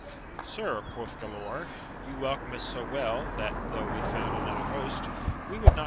Sir, quoth Gralaor, you welcome us so well, that, tho' we found another host, we "would iio\.